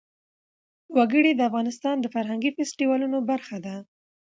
وګړي د افغانستان د فرهنګي فستیوالونو برخه ده.